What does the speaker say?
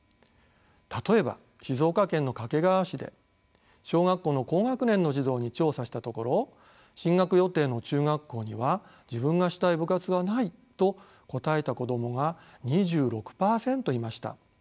例えば静岡県の掛川市で小学校の高学年の児童に調査したところ進学予定の中学校には自分がしたい部活はないと答えた子供が２６％いました。